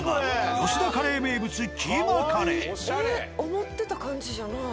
思ってた感じじゃない。